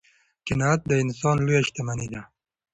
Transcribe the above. قناعت د انسان لویه شتمني ده.